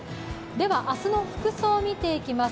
明日の服装を見ていきます。